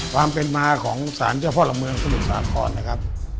ความเป็นมาของสารเจ้าพ่อหลักเมืองสมุทรสาครนะครับ